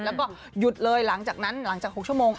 แล้วก็หยุดเลยหลังจากนั้นหลังจาก๖ชั่วโมง